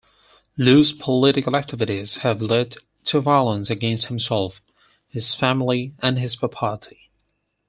Lu's political activities have led to violence against himself, his family, and his property.